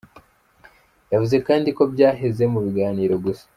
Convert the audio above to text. Yavuze kandi ko byaheze mu biganiro gusa.